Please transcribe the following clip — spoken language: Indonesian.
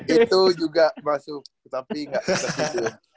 itu juga masuk tapi gak ke situ